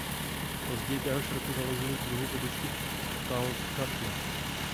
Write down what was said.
Později téhož roku založili druhou pobočku v Kalkatě.